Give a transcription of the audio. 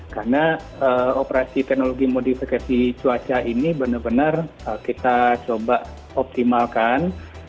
karena operasi teknologi modifikasi cuaca ini benar benar kita coba optimalkan